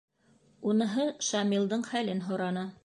Уныһы Шамилдың хәлен һораны.